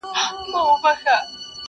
رقیبانو په پېغور ډېر په عذاب کړم!!